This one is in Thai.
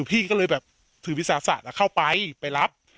เออพี่ก็เลยแบบถือวิศาสตร์นะเข้าไปไปรับ